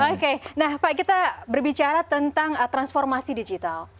oke nah pak kita berbicara tentang transformasi digital